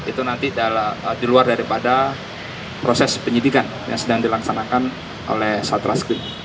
itu nanti diluar daripada proses penyidikan yang sedang dilaksanakan oleh satra skrim